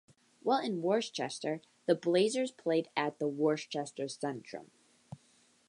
While in Worcester, the Blazers played at the Worcester Centrum.